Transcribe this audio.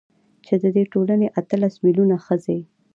چـې د دې ټـولـنې اتـلس مـيلـيونـه ښـځـې .